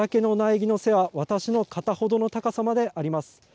今、畑の苗木の背は、私の肩ほどの高さまであります。